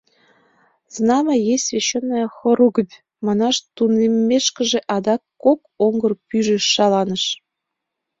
«Знамя есть священная хоругвь» манаш тунеммешкыже адак кок оҥгыр пӱйжӧ шаланыш.